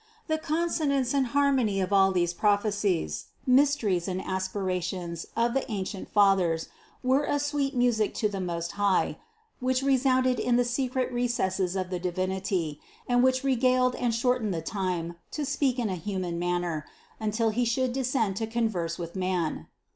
The consonance and harmony of all these prophecies, mysteries and as pirations of the ancient fathers, were a sweet music to the Most High, which resounded in the secret recesses of the Divinity and which regaled and shortened the time (to speak in a human manner) until He should de scend to converse with man.